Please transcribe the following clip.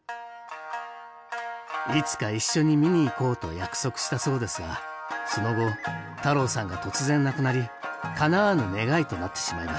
いつか一緒に見に行こうと約束したそうですがその後太朗さんが突然亡くなりかなわぬ願いとなってしまいました。